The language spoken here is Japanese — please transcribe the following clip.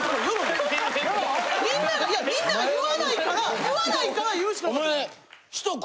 みんながいやみんなが言わないから言わないから言うしか。